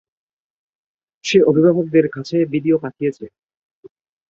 সে অভিভাবকদের কাছে ভিডিও পাঠিয়েছে!